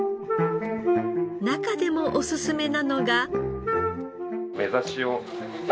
中でもおすすめなのが。